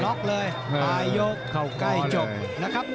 หลักเลยปลายยกไกยจบนะครับ